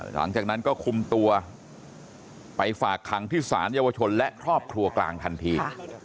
หลังจากนั้นก็คุมตัวไปฝากคังที่สารเยาวชนและครอบครัวกลางทันที